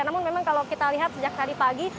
namun memang kalau kita lihat sejak tadi pagi